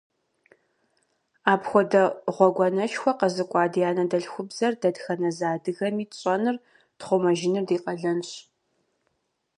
Апхуэдэ гъуэгуанэшхуэ къэзыкӀуа ди анэдэлъхубзэр дэтхэнэ зы адыгэми тщӀэныр, тхъумэжыныр ди къалэнщ.